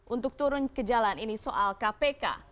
untuk turun ke jalan ini soal kpk